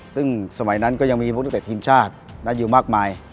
ซึ่งสมัยนั้นก็ยังมีพวกนักเตะทีมชาติอยู่มากมาย